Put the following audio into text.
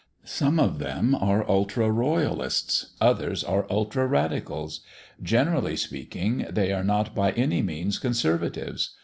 Some of them are ultra royalists; others are ultra radicals. Generally speaking, they are not by any means conservatives.